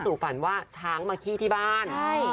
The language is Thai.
สุฝันว่าช้างเข้าบ้าน